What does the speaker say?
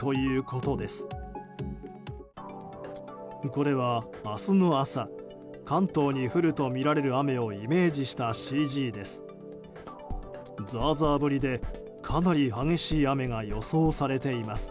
これは明日の朝関東に降るとみられる雨をイメージしたＣＧです。